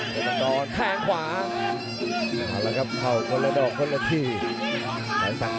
ที่สองทองหน้าตะคุณผสมหัวไป